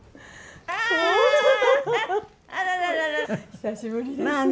久しぶりですね。